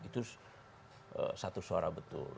itu satu suara betul